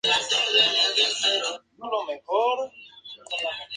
Sin embargo existen serias dudas de que fuera así.